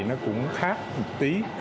nó cũng khác một tí